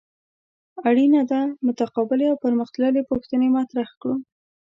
اړینه ده متقابلې او پرمخ تللې پوښتنې مطرح کړو.